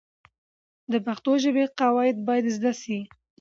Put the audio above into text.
د پښتو ژبې قواعد باید زده سي.